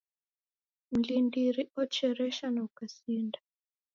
Mlindiri ocheresha na ukasinda